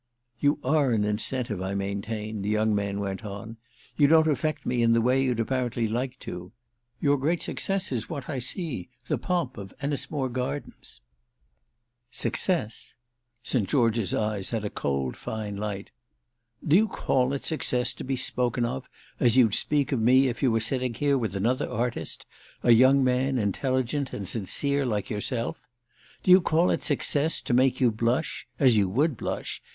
"You are an incentive, I maintain," the young man went on. "You don't affect me in the way you'd apparently like to. Your great success is what I see—the pomp of Ennismore Gardens!" "Success?"—St. George's eyes had a cold fine light. "Do you call it success to be spoken of as you'd speak of me if you were sitting here with another artist—a young man intelligent and sincere like yourself? Do you call it success to make you blush—as you would blush!